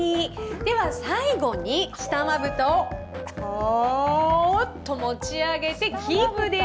では最後に、下まぶたをおーっと持ち上げてキープです。